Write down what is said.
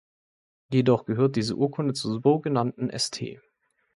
Jedoch gehört diese Urkunde zum so genannten „St.